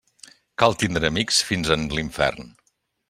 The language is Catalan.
Cal tindre amics fins en l'infern.